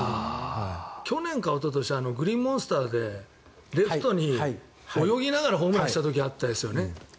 去年かおととしグリーンモンスターでレフトに泳ぎながらホームランをした時ありましたよね。